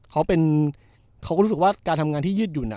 เขาก็รู้สึกว่าการทำงานที่ยืดหยุ่น